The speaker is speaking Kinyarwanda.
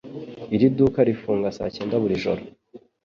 Iri duka rifunga saa cyenda buri joro